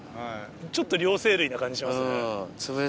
ちょっと両生類な感じしますね。